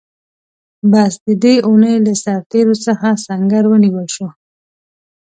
بس د دې اوونۍ له سرتېرو څخه سنګر ونیول شو.